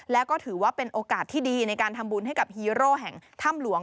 แล้วก็ถือว่าเป็นโอกาสที่ดีในการทำบุญให้กับฮีโร่แห่งถ้ำหลวง